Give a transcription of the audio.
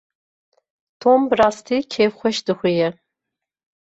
Tom bi rastî jî kêfxweş dixuye.